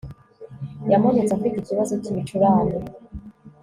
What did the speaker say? yamanutse afite ikibazo cy'ibicurane